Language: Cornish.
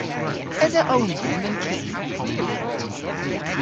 Esa own dhymm a'n ki?